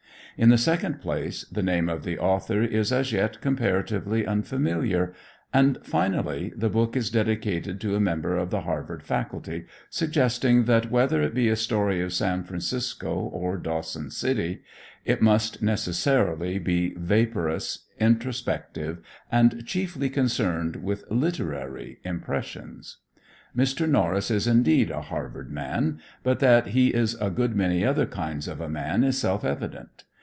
In the second place the name of the author is as yet comparatively unfamiliar, and finally the book is dedicated to a member of the Harvard faculty, suggesting that whether it be a story of San Francisco or Dawson City, it must necessarily be vaporous, introspective and chiefly concerned with "literary" impressions. Mr. Norris is, indeed, a "Harvard man," but that he is a good many other kinds of a man is self evident.